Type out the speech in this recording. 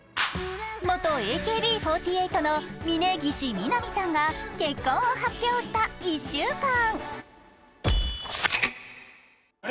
元ＡＫＢ４８の峯岸みなみさんが結婚を発表した１週間。